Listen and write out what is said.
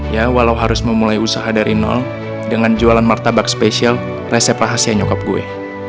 ya walau harus memulai usaha dari nol dengan jualan martabak spesial resep rahasia nyokap gue